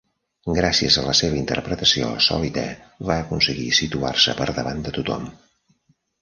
Gràcies a la seva interpretació sòlida, va aconseguir situar-se per davant de tothom.